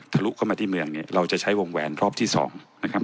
ลุเข้ามาที่เมืองเนี่ยเราจะใช้วงแหวนรอบที่๒นะครับ